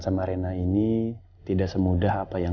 sama sama sama sama ya